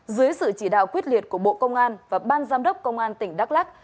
dưới sự chỉ đạo quyết liệt của bộ công an và ban giám đốc công an tỉnh đắk lắc